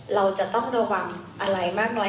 เราจะต้องระวังอะไรมากน้อย